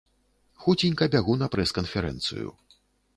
Хуценька бягу на прэс-канферэнцыю.